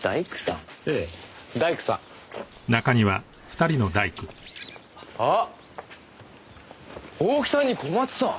大木さんに小松さん！